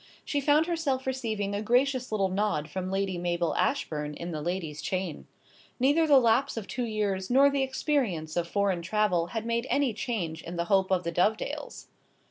She found herself receiving a gracious little nod from Lady Mabel Ashbourne in the ladies' chain. Neither the lapse of two years nor the experience of foreign travel had made any change in the hope of the Dovedales.